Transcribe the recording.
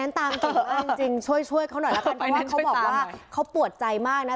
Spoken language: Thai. เพราะว่าเขาบอกว่าเขาปวดใจมากนะ